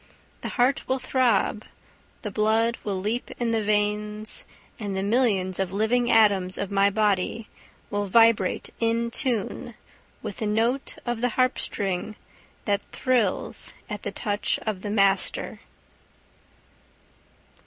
The heart will throb, the blood will leap in the veins, and the millions of living atoms of my body will vibrate in tune with the note of the harp string that thrills at the touch of the master.